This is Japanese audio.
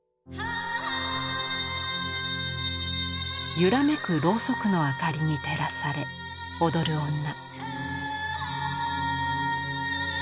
ゆらめくろうそくの明かりに照らされ踊る女。